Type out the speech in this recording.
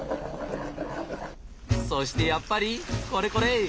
そしてやっぱりこれこれ！